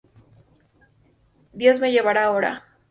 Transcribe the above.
Dios me llevará ahora.